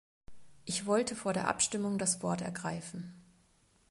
Ich wollte vor der Abstimmung das Wort ergreifen.